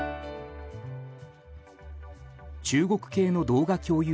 中国系の動画共有